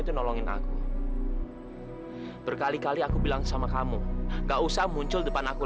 tapi jangan sekali sekali ngejelek jelekin aku